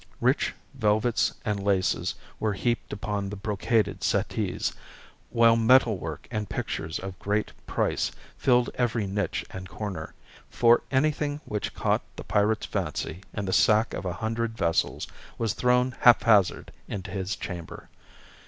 Rich velvets and laces were heaped upon the brocaded settees, while metal work and pictures of great price filled every niche and corner, for anything which caught the pirate's fancy in the sack of a hundred vessels was thrown haphazard into his chamber.